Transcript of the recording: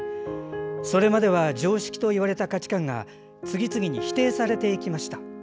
それまでは常識といわれた価値観が次々に否定されていきました。